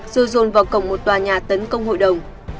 rồi dồn vào cổng một tòa nhà tấn công hội đồng